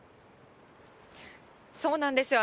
そうなんですよ。